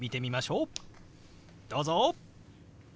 どうぞ！